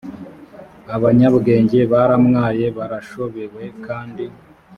abanyabwenge baramwaye barashobewe kandi